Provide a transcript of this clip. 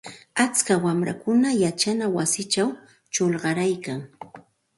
Atska wamrakunam yachana wasichaw chuqayarkan.